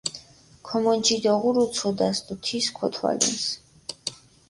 ქომონჯი დოღურუ ცოდას დო თის ქოთვალჷნს.